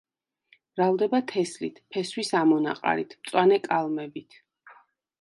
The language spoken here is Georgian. მრავლდება თესლით, ფესვის ამონაყარით, მწვანე კალმებით.